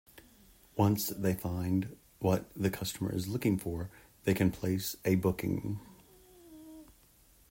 Once they find what the customer is looking for they can place a booking.